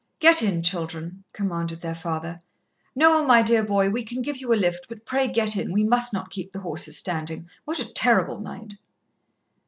"Get in, children," commanded their father. "Noel, my dear boy, we can give you a lift, but pray get in we must not keep the horses standing. What a terrible night!"